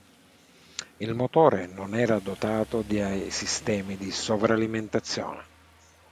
Il motore non era dotato di sistemi di sovralimentazione.